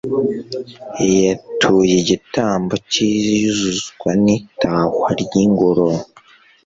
yatuye igitambo cy'iyuzuzwa n'itahwa ry'ingoro